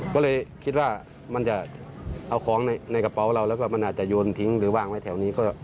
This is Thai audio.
ก็เลยคิดว่ามันจะเอาของในกระเป๋าเราแล้วก็มันอาจจะโยนทิ้งหรือวางไว้แถวนี้